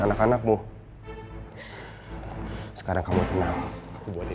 afif udah kembali